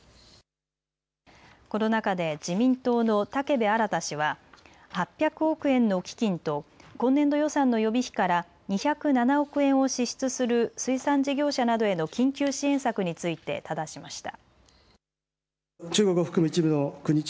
この中で自民党の武部新氏は８００億円の基金と今年度予算の予備費から２０７億円を支出する水産事業者などへの緊急支援策についてただしました。